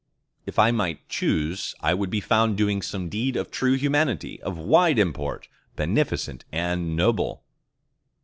If I might choose, I would be found doing some deed of true humanity, of wide import, beneficent and noble.